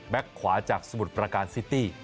ขวาจากสมุทรประการซิตี้